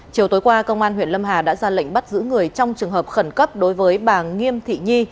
chiều tối qua công an huyện lâm hà đã ra lệnh bắt giữ người trong trường hợp khẩn cấp đối với bà nghiêm thị nhi